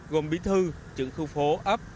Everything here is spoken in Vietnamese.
gồm bí thư trưởng khu phố ấp